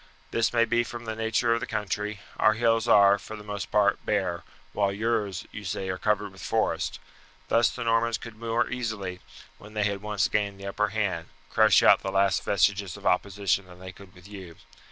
This may be from the nature of the country; our hills are, for the most part, bare, while yours, you say, are covered with forest. Thus the Normans could more easily, when they had once gained the upper hand, crush out the last vestiges of opposition than they could with you.